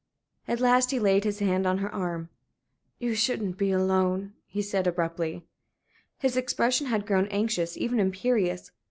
At last he laid his hand on her arm. "You shouldn't be alone," he said, abruptly. His expression had grown anxious, even imperious.